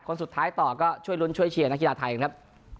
คนสุดท้ายต่อก็ช่วยลุ้นช่วยเชียร์นักกีฬาไทยครับ